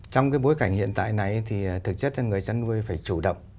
trong cái bối cảnh hiện tại này thì thực chất là người chăn nuôi phải chủ động